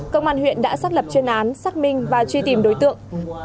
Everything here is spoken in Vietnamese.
công an huyện đã xác lập chuyên án xác minh và truy tìm đối tượng